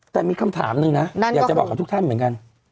แต่มีคำถามหนึ่งนะอยากจะบอกกับทุกท่านเหมือนกัน